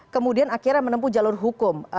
kemudian akhirnya menempuh jalur hukum